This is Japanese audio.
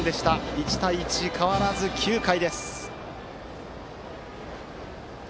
１対１は変わらず９回です。